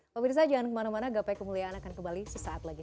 pemirsa jangan kemana mana gapai kemuliaan akan kembali sesaat lagi